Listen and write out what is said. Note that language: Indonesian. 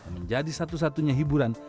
menjadi satu satunya hiburan